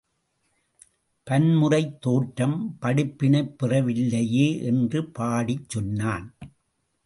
பன்முறை தோற்றும் படிப்பினை பெறவில்லையே என்று பாடிச் சொன்னான்.